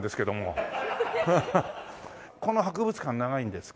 この博物館長いんですか？